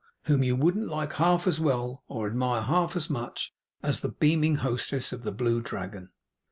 whom you wouldn't like half as well, or admire half as much, as the beaming hostess of the Blue Dragon.